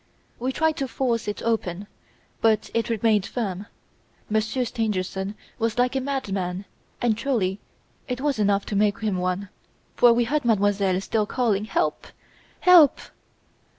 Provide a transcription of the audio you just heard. We tried to force it open, but it remained firm. Monsieur Stangerson was like a madman, and truly, it was enough to make him one, for we heard Mademoiselle still calling "Help! help!"